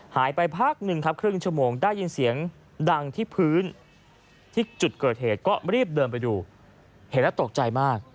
หายไปพักหนึ่งครับครึ่งชั่วโมงได้ยินเสียงดังที่พื้นที่จุดเกิดเหตุก็รีบเดินไปดูเห็นแล้วตกใจมาก